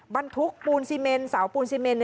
บรรทุกปูนซีเมนเสาปูนซีเมน